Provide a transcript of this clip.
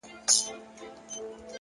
علم انسان ته حقیقي ځواک ورکوي،